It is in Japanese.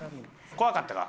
怖かったか？